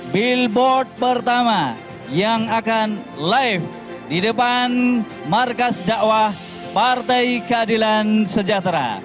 billboard pertama yang akan live di depan markas dakwah partai keadilan sejahtera